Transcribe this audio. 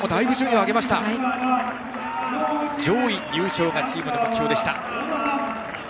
上位入賞がチームでの目標でした。